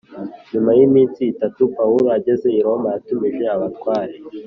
Nyuma y’iminsi itatu Pawulo ageze i Roma yatumije abatware